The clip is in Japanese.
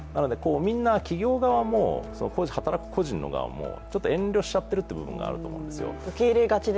みんな企業側も働く個人の側も遠慮しちゃっているという部分があると思うんですよ。